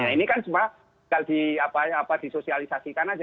ini kan cuma kalau di apa apa disosialisasikan aja